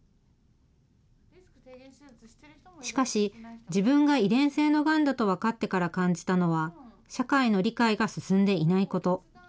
しかし、自分が遺伝性のがんだと分かってから感じたのは、社会の理解が進んでいないこと。